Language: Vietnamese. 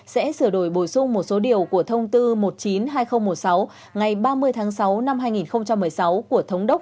sẽ sửa đổi bổ sung một số điều của thông tư một trăm chín mươi hai nghìn một mươi sáu ngày ba mươi tháng sáu năm hai nghìn một mươi sáu của thống đốc